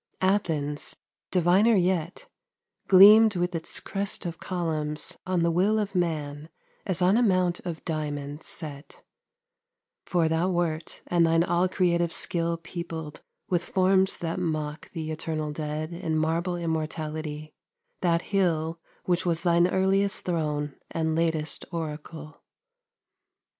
Athens, diviner yet, Gleamed with its crest of columns, on the will Of man, as on a mount of diamond, set; 26 For thou wert, and thine all creative skill Peopled, with forms that mock the eternal dead In marble immortality, that hill Which was thine earliest throne and latest oracle.